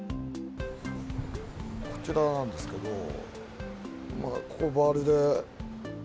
こちらなんですけど、ここをバールで。